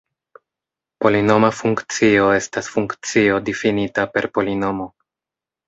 Polinoma funkcio estas funkcio difinita per polinomo.